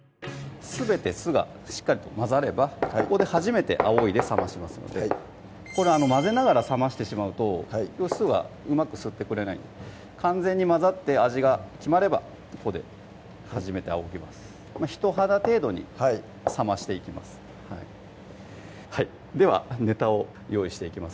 すべて酢がしっかりと混ざればここで初めてあおいで冷ましますので混ぜながら冷ましてしまうと酢はうまく吸ってくれないので完全に混ざって味が決まればここで初めてあおぎます人肌程度に冷ましていきますではネタを用意していきます